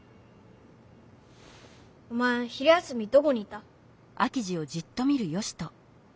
おまえ昼休みどこにいた？